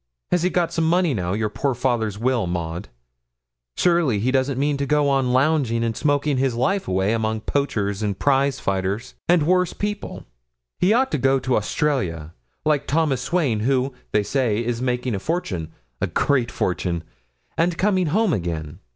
He has got some money now your poor father's will, Maud. Surely he doesn't mean to go on lounging and smoking away his life among poachers, and prize fighters, and worse people. He ought to go to Australia, like Thomas Swain, who, they say, is making a fortune a great fortune and coming home again.